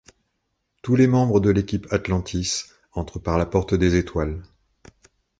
Tous les membres de l'équipe Atlantis entrent par la porte des étoiles.